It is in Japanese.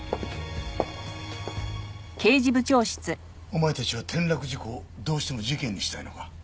お前たちは転落事故をどうしても事件にしたいのか。